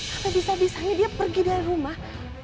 apa bisa bisanya dia pergi dari rumah